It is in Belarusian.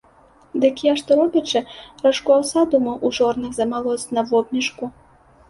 Дык я, што робячы, ражку аўса думаў у жорнах змалоць на вобмешку.